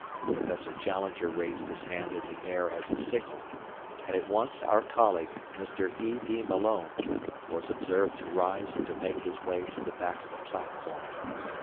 Professor Challenger raised his hand in the air as a signal, and at once our colleague, Mr. E. D. Malone, was observed to rise and to make his way to the back of the platform.